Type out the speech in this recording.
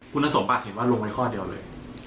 คุณสมบัติเห็นว่าลงไว้ข้อเดียวเลย